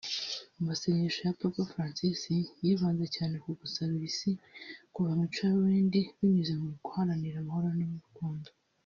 Amasengesho ya Papa Francis yibanze cyane ku gusabira isi kuva mu icuraburindi binyuze mu guharanira amahoro n’urukundo